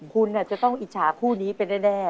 คุณจะต้องอิจฉาคู่นี้ไปแน่